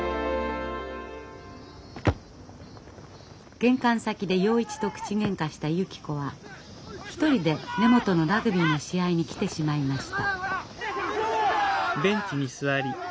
玄関先で洋一と口げんかしたゆき子は一人で根本のラグビーの試合に来てしまいました。